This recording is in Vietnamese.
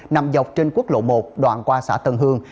nằm dọc trên quốc lộ một đoạn qua xã tân hương